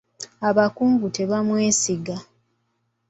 Abakungu tebamwesiga.